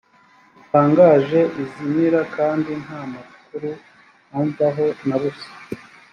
rutangaje izimira kandi nta makuru amvaho na busa